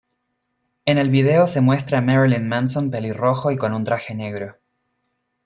En el video se muestra a Marilyn Manson pelirrojo y con un traje negro.